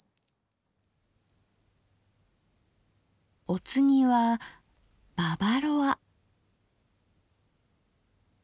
お次は「ババロア」。